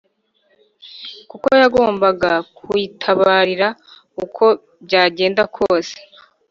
kuko yagombaga kuyitabarira uko byagenda kose